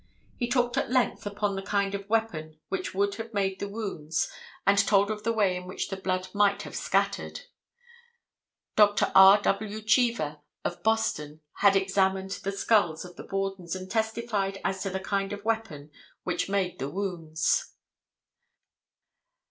He talked at length upon the kind of weapon which could have made the wounds and told of the way in which the blood might have scattered. Dr. R. W. Chever of Boston, had examined the skulls of the Bordens and testified as to the kind of weapon which made the wounds.